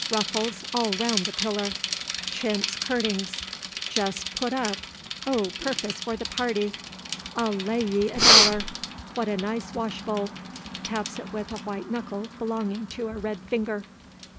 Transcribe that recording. Ruffles all round the piller. Chintz curtings, jest put up, o' purpose for the party, I'll lay ye a dollar. What a nice washbowl!" (Taps it with a white knuckle belonging to a red finger.)